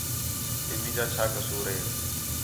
کہ مینجا چَھا قصور ہِے